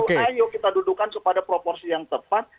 ayo kita dudukan kepada proporsi yang tepat